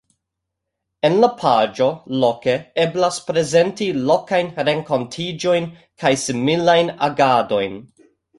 En la paĝo Loke eblas prezenti lokajn renkontiĝojn kaj similajn agadojn.